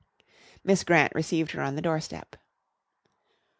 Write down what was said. Miss Grant received her on the doorstep.